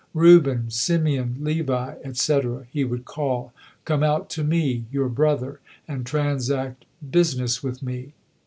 "Reuben! Simeon! Levi! etc.," he would call, "come out to me, your brother, and transact business with me."